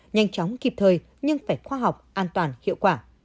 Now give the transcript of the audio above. nhanh chóng kịp thời nhưng phải khoa học an toàn hiệu quả